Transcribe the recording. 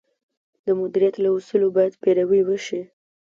د مدیریت له اصولو باید پیروي وشي.